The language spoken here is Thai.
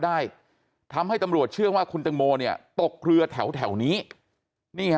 ได้ทำให้ตำรวจเชื่อว่าคุณตังโมเนี่ยตกเรือแถวแถวนี้นี่ฮะ